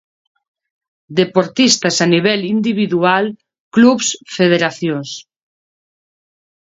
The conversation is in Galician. Deportistas a nivel individual, clubs, federacións.